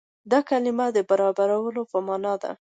دا کلمه د برابرولو په معنا ده.